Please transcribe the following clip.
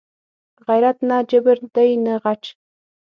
غیرت نه جبر دی نه غچ